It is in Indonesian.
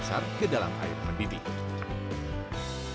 kemudian ikan ke dalam air mendidih